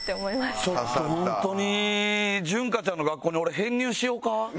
ちょっと本当に潤花ちゃんの学校に俺編入しようか？